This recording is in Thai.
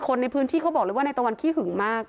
คนในพื้นที่เขาบอกเลยว่านายตะวันขี้หึงมาก